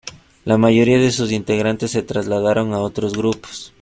La mayoría de sus integrantes se trasladaron a otros grupos.